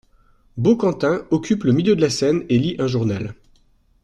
Baucantin occupe le milieu de la scène et lit un journal.